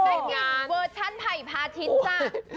เป็นไงเวอร์ชันไผ่พาทิศจ้ะ